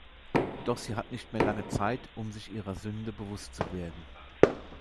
Doch sie hat nicht mehr lange Zeit um sich ihrer Sünde bewusst zu werden.